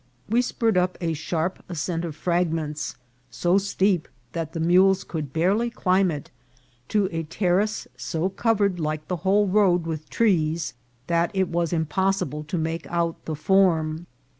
We spurred up a sharp ascent of fragments, so steep that the mules could barely climb it, to a terrace so covered, like the whole road, with trees, that it was impossible to make out the form.